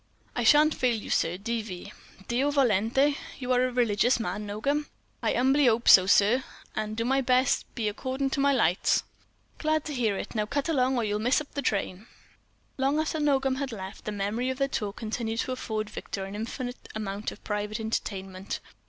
"I shan't fail you, sir—D.V." "Deo volente? You are a religious man, Nogam?" "I 'umbly 'ope so, sir, and do my best to be, accordin' to my lights." "Glad to hear it. Now cut along, or you'll miss the up train." Long after Nogam had left the memory of their talk continued to afford Victor an infinite amount of private entertainment.